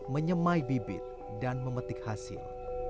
menyemai bibit dan memetik hasil